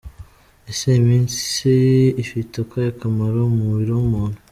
Ese imitsi ifite akahe kamaro mu mubiri w’umuntu?.